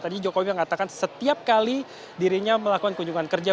tadi jokowi mengatakan setiap kali dirinya melakukan kunjungan kerja